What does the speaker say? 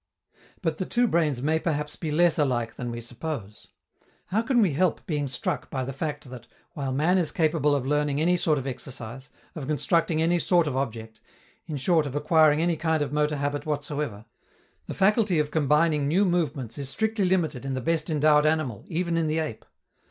But the two brains may perhaps be less alike than we suppose. How can we help being struck by the fact that, while man is capable of learning any sort of exercise, of constructing any sort of object, in short of acquiring any kind of motor habit whatsoever, the faculty of combining new movements is strictly limited in the best endowed animal, even in the ape?